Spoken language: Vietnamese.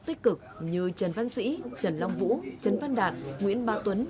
tích cực như trấn văn sĩ trấn long vũ trấn văn đạt nguyễn ba tuấn